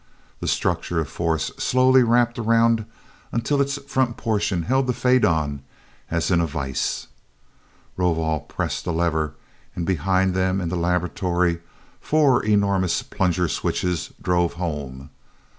The structure of force slowly warped around until its front portion held the faidon as in a vise. Rovol pressed a lever and behind them, in the laboratory, four enormous plunger switches drove home.